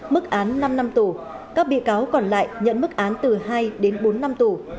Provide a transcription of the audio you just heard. mức án năm năm tù các bị cáo còn lại nhận mức án từ hai đến bốn năm tù